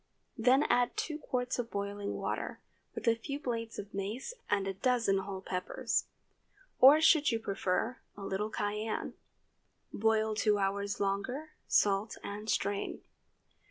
Then add two quarts of boiling water, with a few blades of mace and a dozen whole peppers. Or, should you prefer, a little cayenne. Boil two hours longer, salt, and strain.